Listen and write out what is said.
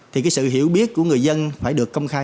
thì cái sự hiểu biết của người dân phải được công khai